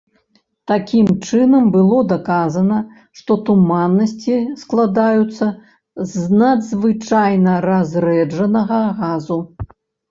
Такім чынам, было даказана, што туманнасці складаюцца з надзвычайна разрэджанага газу.